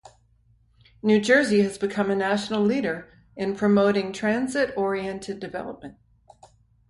New Jersey has become a national leader in promoting transit oriented development.